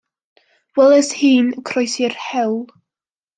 Weles i hi'n croesi'r hewl.